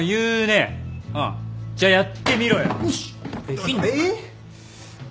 えっ？